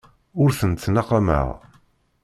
Ur tent-ttnaqameɣ.